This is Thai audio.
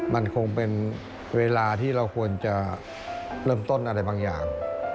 มันคงเป็นเวลาที่เราควรจะเริ่มต้นอะไรบางอย่าง